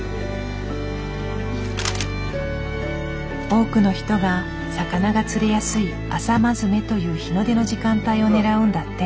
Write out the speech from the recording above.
多くの人が魚が釣れやすい「朝まずめ」という日の出の時間帯を狙うんだって。